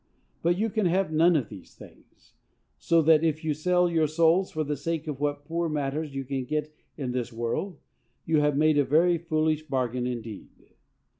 But you can have none of these things; so that, if you sell your souls, for the sake of what poor matters you can get in this world, you have made a very foolish bargain indeed.